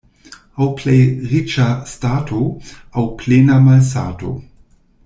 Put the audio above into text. Aŭ plej riĉa stato, aŭ plena malsato.